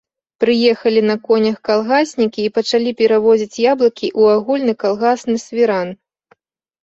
Прыехалі на конях калгаснікі і пачалі перавозіць яблыкі ў агульны калгасны свіран.